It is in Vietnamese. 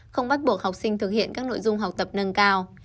không bắt buộc học sinh thực hiện các nội dung học tập nâng cao